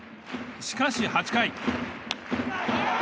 しかし、８回。